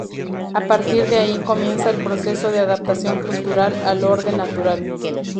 A partir de ahí comienza el proceso de adaptación cultural al orden natural.